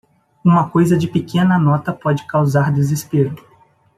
Uma coisa de pequena nota pode causar desespero.